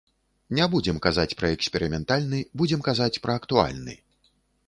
Не будзем казаць пра эксперыментальны, будзем казаць пра актуальны.